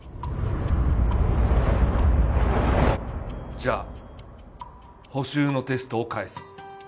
じゃあ補習のテストを返す